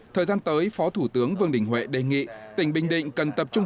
thời gian tới phó thủ tướng vương đình huệ đề nghị tỉnh bình định cần tập trung